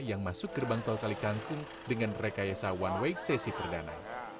yang masuk gerbang tol kalikangkung dengan rekayasa one way sesi perdana